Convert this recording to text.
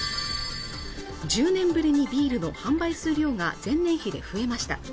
１０年ぶりにビールの販売数量が前年比で増えました